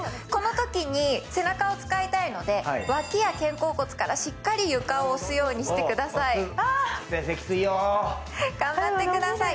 このときに背中を使いたいのでわきや肩甲骨からしっかり床を押すようにしてください。